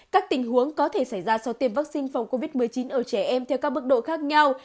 các tình huống có thể xảy ra sau tiêm vaccine phòng covid một mươi chín ở trẻ em theo các mức độ khác nhau